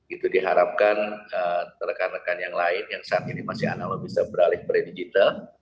itu diharapkan rekan rekan yang lain yang saat ini masih analog bisa beralih ke digital